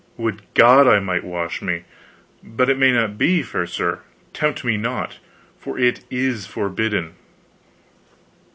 Would God I might wash me! but it may not be, fair sir, tempt me not; it is forbidden."